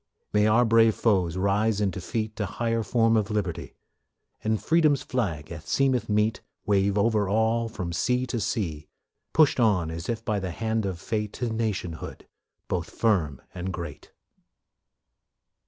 May our brave foes rise in defeat To higher form of liberty; And Freedom's flag, as seemeth meet, Wave over all from sea to sea; Pushed on as by the hand of fate To nationhood, both firm and great.